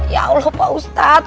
ya allah pak ustadz